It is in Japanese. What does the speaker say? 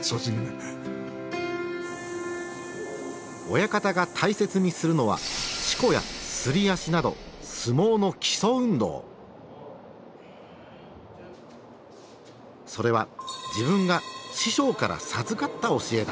親方が大切にするのは四股やすり足などそれは自分が師匠から授かった教えだ。